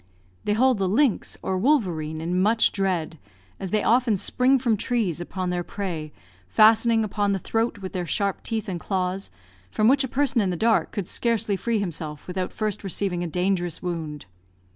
They hold the lynx, or wolverine, in much dread, as they often spring from trees upon their prey, fastening upon the throat with their sharp teeth and claws, from which a person in the dark could scarcely free himself without first receiving a dangerous wound.